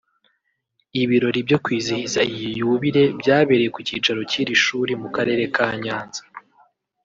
Ibirori byo kwizihiza iyi Yubile byabereye ku cyicaro cy’iri shuri mu Karere ka Nyanza